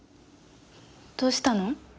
どうしたの？